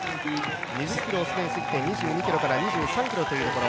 ２０ｋｍを既に過ぎて２２ｋｍから２３ｋｍというところ。